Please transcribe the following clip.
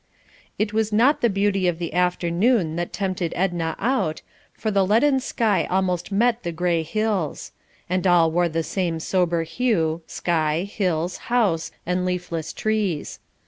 It was not the beauty of the afternoon that tempted Edna out, for the leaden sky almost met the gray hills; and all wore the same sober hue, sky, hills, house, and leafless trees.